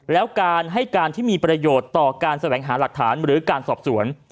แล้วการให้การที่มีประโยชน์ต่อการแสวงหาหลักฐานหรือการสอบสวน